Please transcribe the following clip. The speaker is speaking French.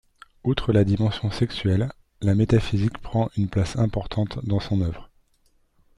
Outre la dimension sexuelle, la métaphysique prend une place importante dans son œuvre.